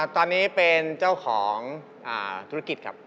ตอนนี้เป็นเจ้าของธุรกิจครับ